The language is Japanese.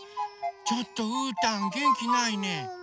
ちょっとうーたんげんきないね。